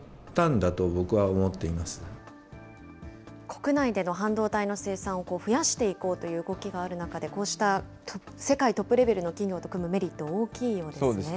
国内での半導体の生産を増やしていこうという動きがある中で、こうした世界トップレベルの企業と組むメリットは大きいようです